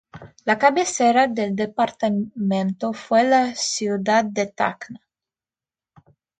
La cabecera del departamento fue la ciudad de Tacna.